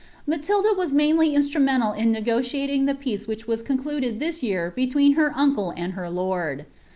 Matiloft' was mainly instrumental in negotiating the peace which ww concluded this year between her uncle and her lord.